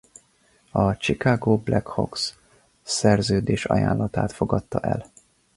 A Chicago Blackhawks szerződés ajánlatát fogadta el.